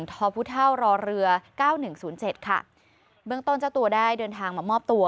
ผู้เท่ารอเรือเก้าหนึ่งศูนย์เจ็ดค่ะเบื้องต้นเจ้าตัวได้เดินทางมามอบตัว